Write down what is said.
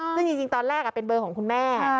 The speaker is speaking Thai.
ซึ่งจริงตอนแรกเป็นเบอร์ของคุณแม่